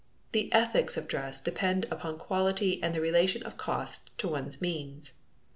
The ethics of dress depends upon quality and the relation of cost to one's means.